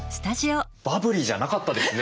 バブリーじゃなかったですね。